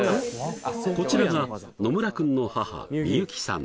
こちらが野村君の母美幸さん